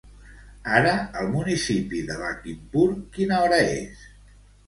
Ara al municipi de Lakhimpur quina hora és?